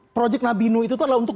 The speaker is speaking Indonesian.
projek nabinu itu adalah untuk